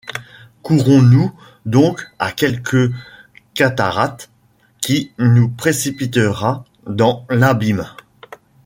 Courons-nous donc à quelque cataracte qui nous précipitera dans l’abîme ?